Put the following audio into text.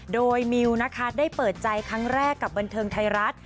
โดยมิวนะคะได้เปิดใจครั้งแรกกับบันเทิงไทยรัฐ